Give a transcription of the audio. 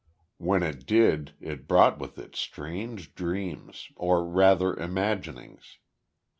When it did it brought with it strange dreams, or rather imaginings.